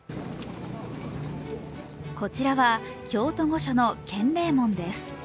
こちらは京都御所の建礼門です。